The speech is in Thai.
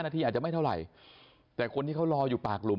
ที่อาจจะไม่เท่าไหร่แต่คนที่เขารออยู่ปากหลุม